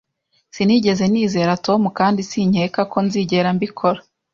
Sinigeze nizera Tom kandi sinkeka ko nzigera mbikora